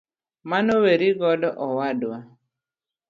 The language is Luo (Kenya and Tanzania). Mano weri godo owadwa.